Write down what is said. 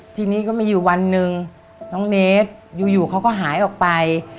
ทีนี้ก็มีอยู่วันหนึ่งน้องเนสอยู่เขาก็หายออกไป